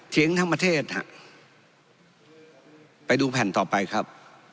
ทั้งประเทศฮะไปดูแผ่นต่อไปครับ